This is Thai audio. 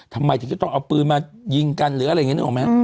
ทำไมถึงก็ต้องเอาปืนมายิงกันหรืออะไรอย่างนี้นึกออกไหม